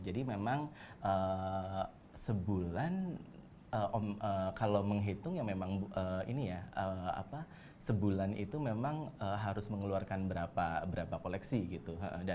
jadi sekarang sebulan kalau menghitung ya memang ini ya sebulan itu memang harus mengeluarkan berapa koleksi gitu